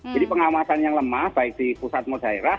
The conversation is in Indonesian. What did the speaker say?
jadi pengawasan yang lemah baik di pusat maupun daerah